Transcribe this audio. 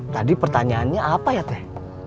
tadi pertanyaannya apa ya teh